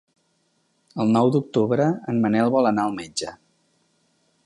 El nou d'octubre en Manel vol anar al metge.